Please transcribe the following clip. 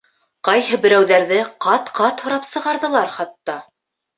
Ҡайһы берәүҙәрҙе ҡат-ҡат һорап сығарҙылар хатта.